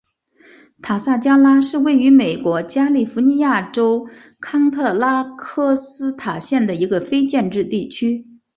塔萨加拉是位于美国加利福尼亚州康特拉科斯塔县的一个非建制地区。